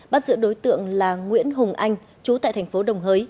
bắt giữ đối tượng là nguyễn hùng anh chú tại tp hcm